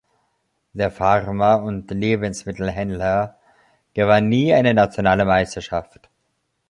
Der Farmer und Lebensmittelhändler gewann nie eine nationale Meisterschaft.